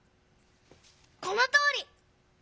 このとおり！